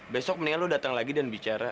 besok mendingan lu datang lagi dan bicara